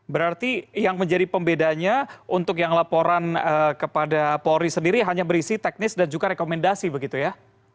berarti yang menjadi pembedanya untuk yang laporan kepada polri sendiri hanya berisi teknis dan juga rekomendasi begitu ya